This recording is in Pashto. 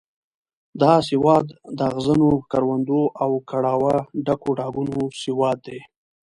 دا سواد د اغزنو کروندو او کړاوه ډکو ډاګونو سواد دی.